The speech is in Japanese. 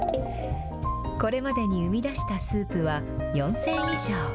これまでに生み出したスープは４０００以上。